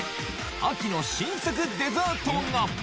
秋の新作デザートが。